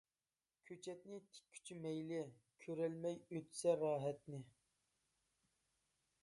كۆچەتنى تىككۈچى مەيلى كۆرەلمەي ئۆتسە راھەتنى.